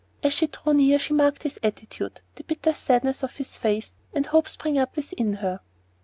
As she drew near, she marked his attitude, the bitter sadness of his face, and hope sprang up within her.